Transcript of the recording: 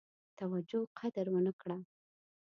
توجه قدر ونه کړه.